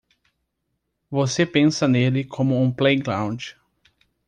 Você pensa nele como um playground.